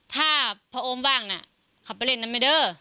ถ้าพระอมบ้างนะขับไปเล่นนั้นไม่เด้อ